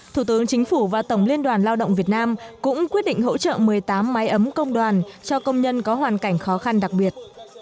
thủ tướng chính phủ và tổng liên đoàn lao động việt nam cũng quyết định hỗ trợ một mươi tám máy ấm công đoàn cho công nhân có hoàn cảnh khó khăn đặc biệt